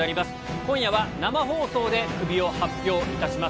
今夜は、生放送でクビを発表いたします。